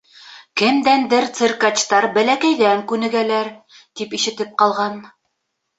Кемдәндер циркачтар бәләкәйҙән күнегәләр, тип ишетеп ҡалған.